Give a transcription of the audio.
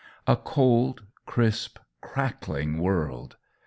A cold, crisp crackling world!